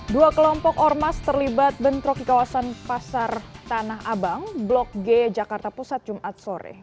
dua kelompok ormas terlibat bentrok di kawasan pasar tanah abang blok g jakarta pusat jumat sore